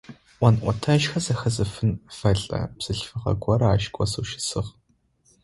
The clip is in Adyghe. Ӏон-ӏотэжьхэр зэхэзыхын фэлӏэ бзылъфыгъэ горэ ащ госэу щысыгъ.